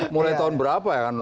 mulai tahun berapa ya kan